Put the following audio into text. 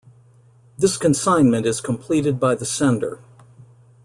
This consignment is completed by the sender.